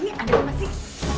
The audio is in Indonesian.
ini ada apa sih